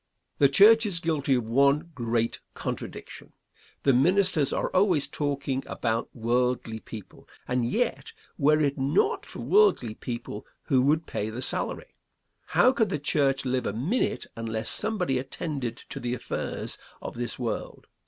The church is guilty of one great contradiction. The ministers are always talking about worldly people, and yet, were it not for worldly people, who would pay the salary? How could the church live a minute unless somebody attended to the affairs of this world?